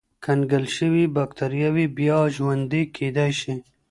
کنګل شوې بکتریاوې بیا ژوندی کېدای شي.